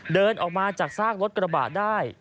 เดินออกมาจากซากรถกระบะได้